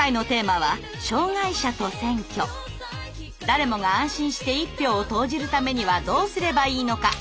誰もが安心して一票を投じるためにはどうすればいいのか。